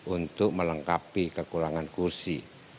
untuk melengkapi kekurangan kursi